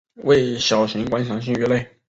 为小型观赏性鱼类。